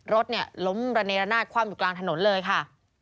รถเนี่ยล้มระเนระนาดคว่ำอยู่กลางถนนเลยค่ะ